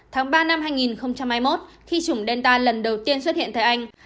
tháng ba năm hai nghìn hai mươi một khi chủng delta lần đầu tiên xuất hiện tại anh